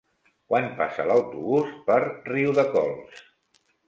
Quan passa l'autobús per Riudecols?